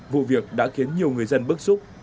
vụ việc đã khiến nhiều người dân bức xúc